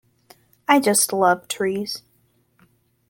I just love trees.